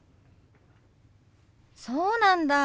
そうなんだ。